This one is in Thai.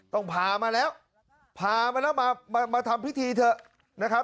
ต้องพามาแล้วพามาแล้วมามาทำพิธีเถอะนะครับ